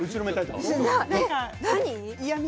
何？